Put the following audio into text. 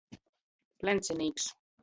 Plencinīks.